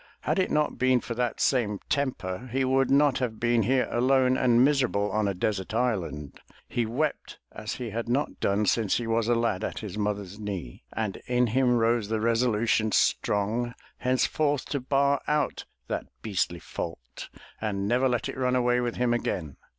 Had it not been for that same temper, he would not have been here alone and miserable on a desert island. He wept as he had not done since he was a lad at his mother's knee, and in him rose the resolution strong, hence forth to bar out that beastly fault and never let it run away with him again.